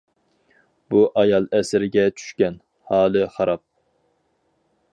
بۇ ئايال ئەسىرگە چۈشكەن، ھالى خاراب.